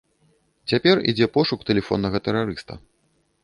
Цяпер ідзе пошук тэлефоннага тэрарыста.